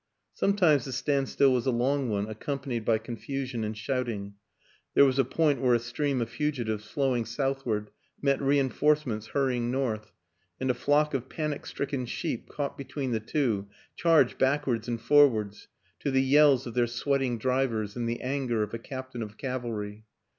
Some times the standstill was a long one, accompanied by confusion and shouting; there was a point where a stream of fugitives flowing southward met reinforcements hurrying north and a flock of panic stricken sheep, caught between the two, charged backwards and forwards, to the yells of their sweating drivers and the anger of a captain of cavalry.